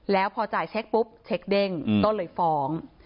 แล้วพอจ่ายเช็คปุ๊บเช็คเด้งก็เลยฟ้อง